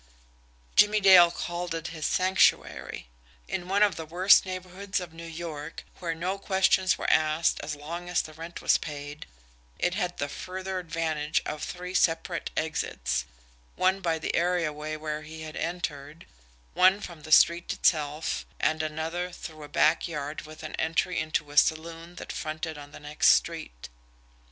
Jimmie Dale called it his "Sanctuary." In one of the worst neighbourhoods of New York, where no questions were asked as long as the rent was paid, it had the further advantage of three separate exits one by the areaway where he had entered; one from the street itself; and another through a back yard with an entry into a saloon that fronted on the next street.